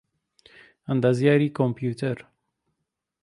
ئەندازیاریی کۆمپیوتەر